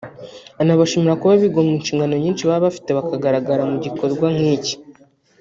anabashimira kuba bigomwe inshingano nyinshi baba bafite bakagaragara mu gikorwa nk’iki